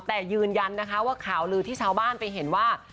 แต่ยืนยันนะคะว่าข่าวลือที่ชาวบ้านไปเห็นว่า